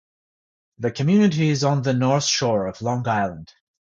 The community is on the North Shore of Long Island.